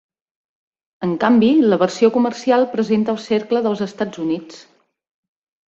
En canvi, la versió comercial presenta el cercle dels Estats Units.